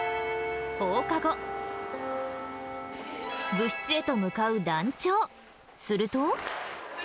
部室へと向かう団長すると。